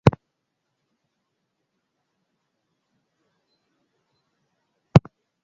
Aventura es un concepto que puede aplicarse en varios contextos y situaciones.